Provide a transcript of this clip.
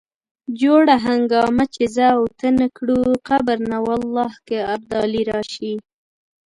جوړه هنګامه چې زه او ته نه کړو قبر نه والله که ابدالي راشي.